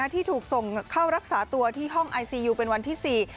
ที่ถูกส่งเข้ารักษาตัวที่ห้องไอซียูเป็นวันที่๔